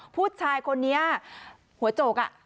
ผู้ชายคนนี้หัวโจก